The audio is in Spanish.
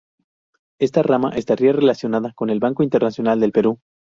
Esta rama estaría relacionada con el Banco Internacional del Perú.